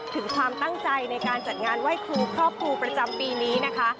ถึงความตั้งใจในการจัดงานไหว้ครูครอบครูประจำปีนี้นะคะ